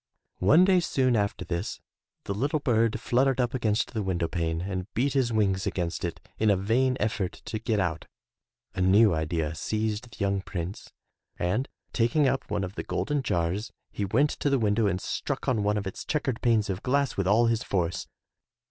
One day soon after this, the little bird fluttered up against the window pane and beat his wings against it in a vain effort to get out. A new idea seized the young Prince, and taking up one of the golden jars he went to the window and struck on one of its checkered panes of glass with all his force.